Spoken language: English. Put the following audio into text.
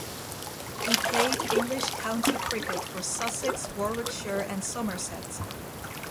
He played English county cricket for Sussex, Warwickshire and Somerset.